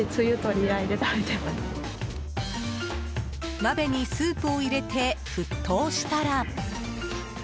鍋にスープを入れて沸騰したら。